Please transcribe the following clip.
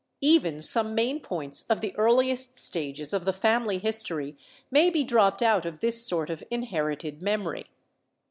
Even some main points of the earliest stages of the family history may be dropped out of this sort of inherited memory.